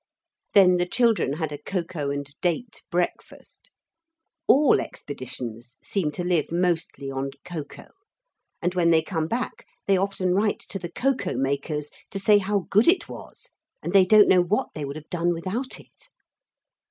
Then the children had a cocoa and date breakfast. (All expeditions seem to live mostly on cocoa, and when they come back they often write to the cocoa makers to say how good it was and they don't know what they would have done without it.)